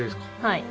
はい。